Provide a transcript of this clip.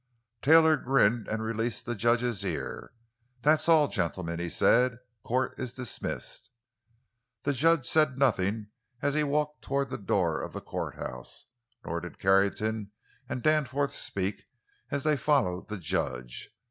Taylor grinned and released the judge's ear. "That's all, gentlemen," he said; "court is dismissed!" The judge said nothing as he walked toward the door of the courthouse. Nor did Carrington and Danforth speak as they followed the judge.